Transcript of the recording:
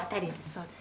そうです。